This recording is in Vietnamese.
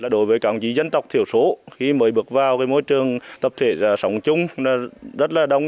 đối với các anh chỉ dân tộc thiểu số khi mới bước vào môi trường tập thể sống chung rất là đông